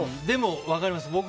でも、分かります。